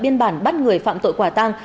biên bản bắt người phạm tội quả tăng